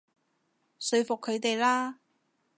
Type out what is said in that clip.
說服佢哋啦